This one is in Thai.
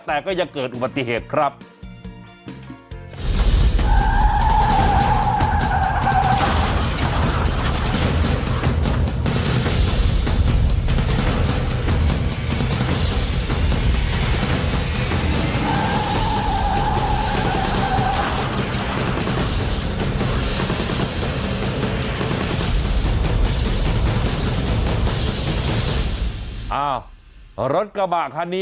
แต่ก็ยังเกิดอุบัติเหตุครับ